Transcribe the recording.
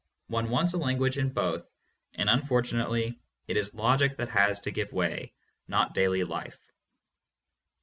One wants a language in both, and unfortunately it is logic that has to give way, not daily life.